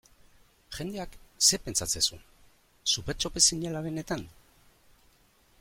Jendeak zer pentsatzen zuen, Supertxope zinela benetan?